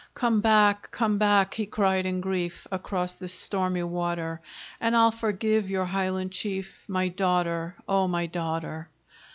"Come back! come back!" he cried in grief, "Across this stormy water; And I'll forgive your Highland chief, My daughter! oh, my daughter!"